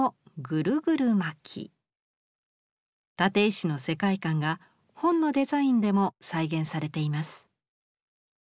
立石の世界観が本のデザインでも再現されています。